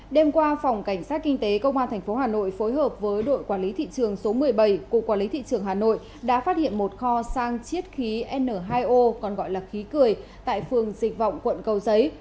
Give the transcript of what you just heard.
đêm qua phòng cảnh sát kinh tế công an tp hà nội phối hợp với đội quản lý thị trường số một mươi bảy cục quản lý thị trường hà nội đã phát hiện một kho sang chiết khí n hai o còn gọi là khí cười tại phường dịch vọng quận cầu giấy